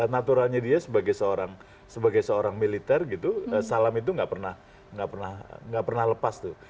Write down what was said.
naturalnya dia sebagai seorang militer gitu salam itu nggak pernah lepas tuh